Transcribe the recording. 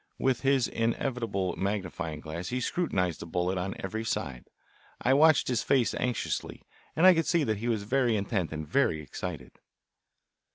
With his inevitable magnifying glass he scrutinised the bullet on every side. I watched his face anxiously, and I could see that he was very intent and very excited.